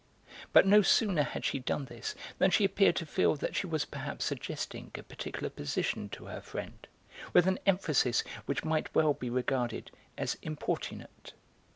But no sooner had she done this than she appeared to feel that she was perhaps suggesting a particular position to her friend, with an emphasis which might well be regarded as importunate.